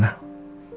tapi malam ini